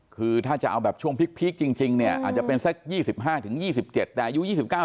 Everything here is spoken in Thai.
คือถ้าจะเอาแบบช่วงพีคจริงอาจจะเป็น๒๕๒๗แต่อายุ๒๙๓๐